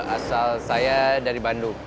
asal saya dari bandung